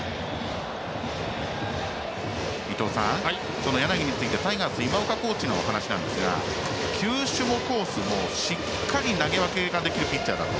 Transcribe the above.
その柳についてタイガース今岡コーチのお話ですが球種もコースもしっかり投げ分けができるピッチャーだと。